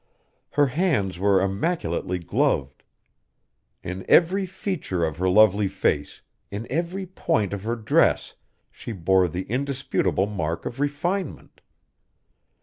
Her hands were immaculately gloved. In every feature of her lovely face, in every point of her dress, she bore the indisputable mark of refinement.